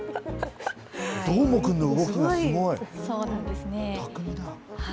どーもくんの動きがすごい、巧みだ。